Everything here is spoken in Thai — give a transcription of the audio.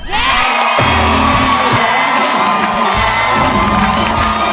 ร้องได้ให้ร้าง